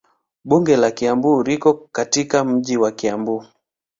Bunge la Kiambu liko katika mji wa Kiambu.